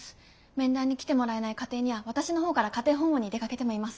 面談に来てもらえない家庭には私の方から家庭訪問にも出かけてもいます。